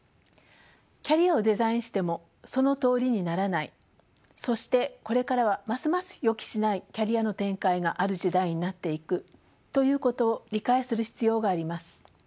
キャリアをデザインしてもそのとおりにならないそしてこれからはますます予期しないキャリアの展開がある時代になっていくということを理解する必要があります。